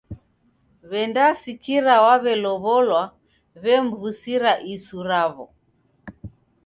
W'endasikira waw'elow'olwa w'emw'usira isu raw'o.